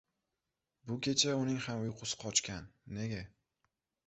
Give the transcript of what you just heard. Bu kecha uning ham uyqusi qochgan. Nega?